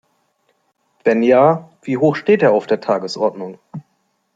Wenn ja, wie hoch steht er auf der Tagesordnung?